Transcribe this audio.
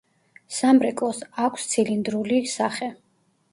სამრეკლოს აქვს ცილინდრული სახე.